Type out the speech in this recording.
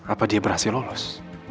apa dia berhasil lolos